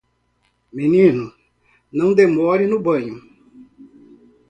Menino não demore no banho!